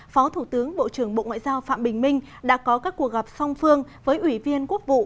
phó thủ tướng bộ trưởng bộ ngoại giao phạm bình minh đã có các cuộc gặp song phương với ủy viên quốc vụ